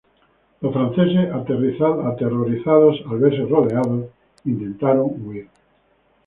Los franceses, aterrorizados al verse rodeados, intentaron huir.